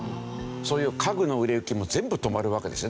そういう家具の売れ行きも全部止まるわけですね。